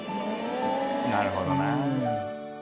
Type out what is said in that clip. なるほどな。